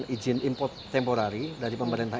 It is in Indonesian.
izin import temporari dari pemerintah